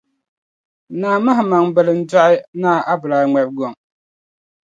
Naa Mahanmaŋ bila n-dɔɣi Naa Abdulai ŋmarugɔŋ: